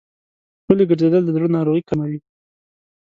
پلي ګرځېدل د زړه ناروغۍ کموي.